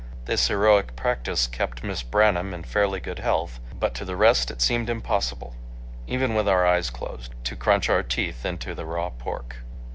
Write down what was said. This heroic practice kept Miss Branham in fairly good health, but to the rest it seemed impossible, even with our eyes closed, to crunch our teeth into the raw pork.